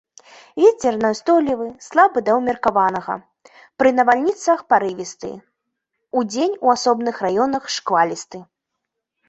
Вецер няўстойлівы, слабы да ўмеркаванага, пры навальніцах парывісты, удзень у асобных раёнах шквалісты.